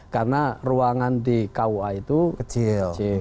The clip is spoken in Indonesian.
karena ruangan di kua itu kecil